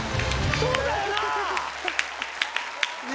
そうだよね！